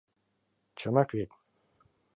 — Чынак вет...